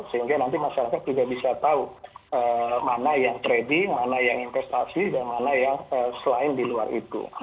sehingga nanti masyarakat juga bisa tahu mana yang trading mana yang investasi dan mana yang selain di luar itu